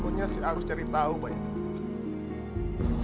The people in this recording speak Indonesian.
pokoknya sih harus cari tahu pak yadi